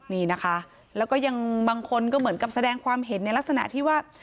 นี่นะคะแล้วก็ยังบางคนก็เหมือนกับแสดงความเห็นในลักษณะที่ว่า